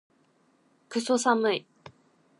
クソ寒い